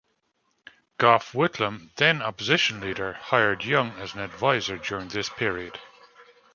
Gough Whitlam, then Opposition Leader, hired Young as an adviser during this period.